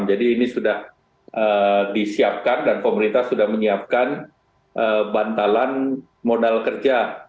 jadi ini sudah disiapkan dan pemerintah sudah menyiapkan bantalan modal kerja